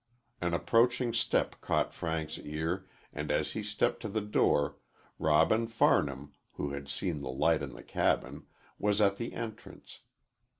An approaching step caught Frank's ear and, as he stepped to the door, Robin Farnham, who had seen the light in the cabin, was at the entrance.